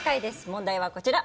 問題はこちら。